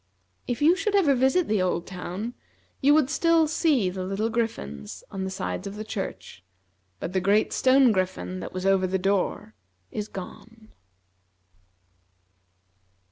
If you should ever visit the old town, you would still see the little griffins on the sides of the church; but the great stone griffin that was over the door is gone.